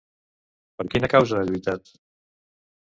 Per quina causa ha lluitat?